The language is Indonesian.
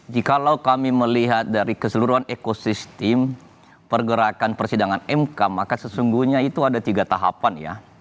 jikalau kami melihat dari keseluruhan ekosistem pergerakan persidangan mk maka sesungguhnya itu ada tiga tahapan ya